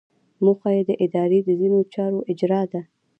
موخه یې د ادارې د ځینو چارو اجرا ده.